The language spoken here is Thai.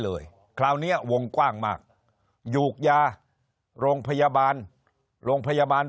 เลยคราวนี้วงกว้างมากหยูกยาโรงพยาบาลโรงพยาบาล